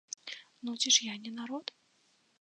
Ну ці ж я не народ?